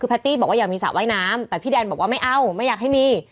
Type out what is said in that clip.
แพตตี้บอกว่าอยากมีสระว่ายน้ำแต่พี่แดนบอกว่าไม่เอาไม่อยากให้มี